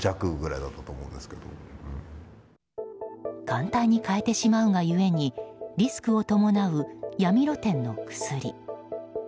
簡単に買えてしまうが故にリスクを伴う闇露店の薬。